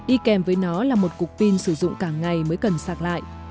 đi kèm với nó là một cục pin sử dụng cả ngày mới cần sạc lại